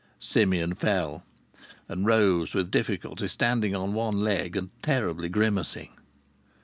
Simeon fell, and rose with difficulty, standing on one leg, and terribly grimacing.